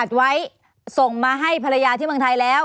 ส่งมาให้ภรรยาที่เมืองไทยแล้ว